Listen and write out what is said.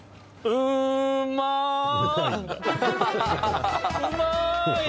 「うまい！」